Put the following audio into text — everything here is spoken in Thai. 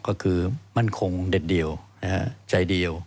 ก็คือมั่นคงเด็ดเดี่ยวใจเดียว